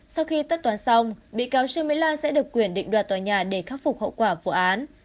sau khi tất toán xong bị cáo trương mỹ lan sẽ được quyền định đoạt tòa nhà để khắc phục hậu quả vụ án